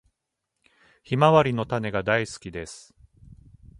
ヒマワリの種が大好きです。